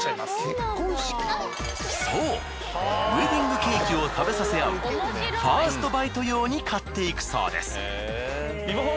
そうウエディングケーキを食べさせあうファーストバイト用に買っていくそうです。